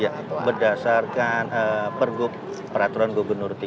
ya berdasarkan peraturan gubernur iii